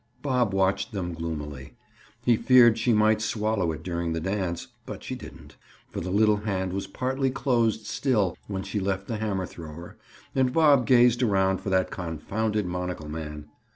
Bob watched them gloomily. He feared she might swallow it during the dance, but she didn't, for the little hand was partly closed still when she left the hammer thrower and Bob gazed around for that confounded monocle man.